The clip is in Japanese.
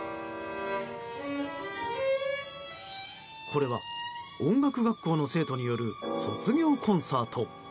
これは、音楽学校の生徒による卒業コンサート。